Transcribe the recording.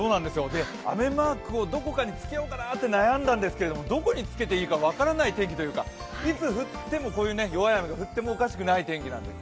雨マークをどこかにつけようかなと悩んだんですけどどこにつけていいか分からない天気というかいつ降っても、こういう弱い雨が降ってもおかしくない天気です。